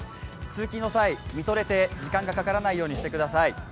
通勤の際、見とれて時間がかからないようにしてください。